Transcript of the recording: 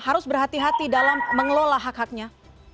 harus berhati hati dalam mengelola hak haknya